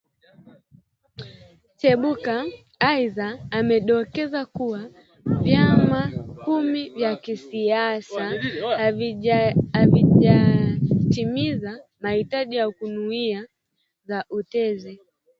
Chebukati aidha amedokeza kuwa vyama kumi vya kisiasa havijatimiza mahitaji ya kanuni za utezi